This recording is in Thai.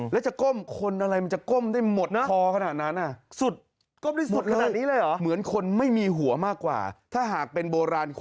แล้วจะก้มคนอะไรมันจะก้มได้หมดนะคอขนาดนั้น